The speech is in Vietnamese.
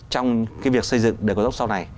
trong cái việc xây dựng đời cầu tốc sau này